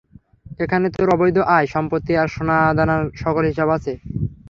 এখানে তোর অবৈধ আয়, সম্পত্তি আর সোনাদানার সকল হিসাব আছে।